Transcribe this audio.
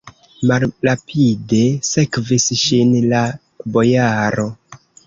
Malrapide sekvis ŝin la bojaro.